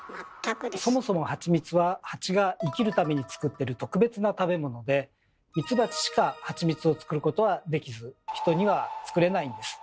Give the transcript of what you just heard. そもそもハチミツはハチが生きるために作ってる特別な食べ物でミツバチしかハチミツを作ることはできず人には作れないんです。